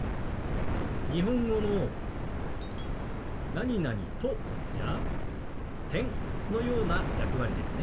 日本語の「と」や「、」のような役割ですね。